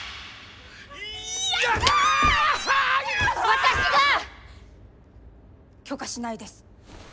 私が許可しないです！